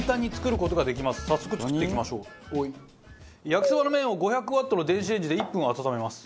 焼きそばの麺を５００ワットの電子レンジで１分温めます。